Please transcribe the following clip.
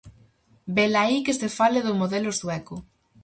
Velaí que se fale do "modelo sueco".